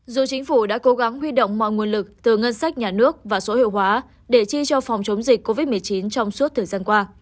dù chính phủ đã cố gắng huy động mọi nguồn lực từ ngân sách nhà nước và số hiệu hóa để chi cho phòng chống dịch covid một mươi chín trong suốt thời gian qua